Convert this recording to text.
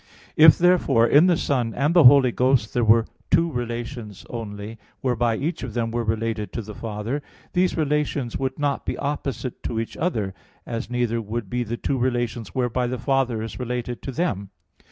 If therefore in the Son and the Holy Ghost there were two relations only, whereby each of them were related to the Father, these relations would not be opposite to each other, as neither would be the two relations whereby the Father is related to them.